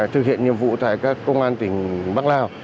thực hiện nhiệm vụ tại các công an tỉnh